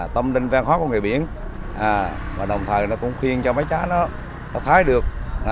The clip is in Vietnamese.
tâm linh vang hóa của người biển và đồng thời nó cũng khuyên cho mấy cháu nó thái được